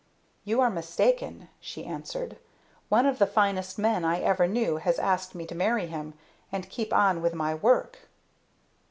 "You are mistaken," she answered. "One of the finest men I ever knew has asked me to marry him and keep on with my work!"